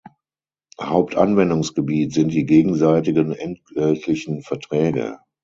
Hauptanwendungsgebiet sind die gegenseitigen entgeltlichen Verträge.